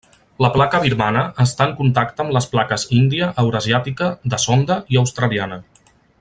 La placa birmana està en contacte amb les plaques índia, eurasiàtica, de Sonda i australiana.